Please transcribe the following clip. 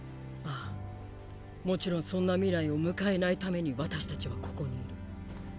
あぁもちろんそんな未来を迎えないために私たちはここにいる。